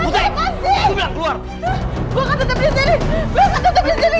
gue gak mau pergi